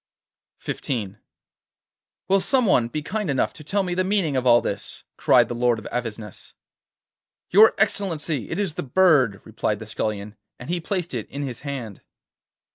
XV 'Will some one be kind enough to tell me the meaning of all this?' cried the Lord of Avesnes. 'Your Excellency, it is the bird,' replied the Scullion, and he placed it in his hand.